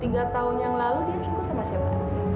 enggak ya dua puluh tiga tahun yang lalu dia selingkuh sama saya